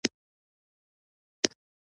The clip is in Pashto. وسله د تقدس ضد ده